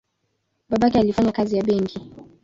Babake alifanya kazi ya benki.